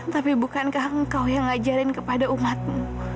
tapi bukankah engkau yang ngajarin kepada umatmu